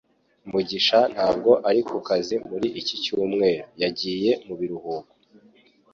Mugisha ntabwo ari kukazi muri iki cyumweru; yagiye mu biruhuko